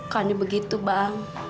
kan begitu bang